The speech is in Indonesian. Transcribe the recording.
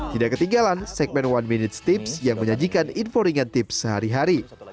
tidak ketinggalan segmen one minute tips yang menyajikan info ringan tips sehari hari